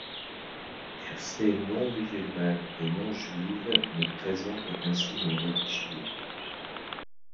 Sur ses non musulmanes et non juives, ne présentent aucun signe religieux.